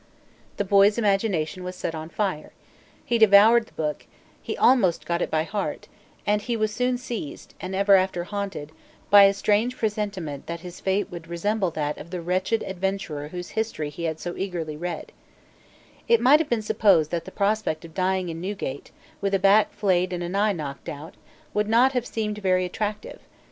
The boy's imagination was set on fire; he devoured the book; he almost got it by heart; and he was soon seized, and ever after haunted, by a strange presentiment that his fate would resemble that of the wretched adventurer whose history he had so eagerly read, It might have been supposed that the prospect of dying in Newgate, with a back flayed and an eye knocked out, would not have seemed very attractive.